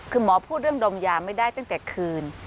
คือหมอพูดเรื่องดมยาไม่ได้ตั้งแต่คืน